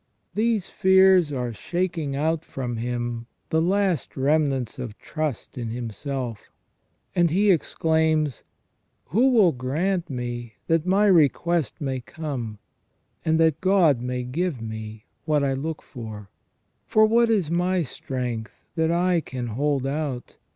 These fears are shaking out from him the last remnants of trust in him self, and he exclaims : "Who will grant me that my request may come : and that God may give me what I look for. ... For what is my strength that I can hold out